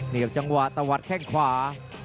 มีกับจังหวะตะวัดแข่งขวา